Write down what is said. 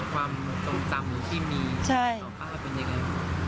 ความจงจำหรือที่มีใช่ของป้าเป็นยังไง